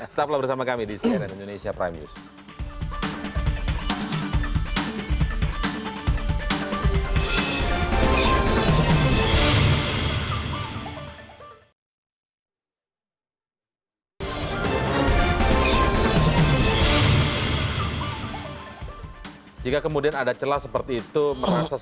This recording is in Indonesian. sampai jumpa bersama kami di cnn indonesia prime news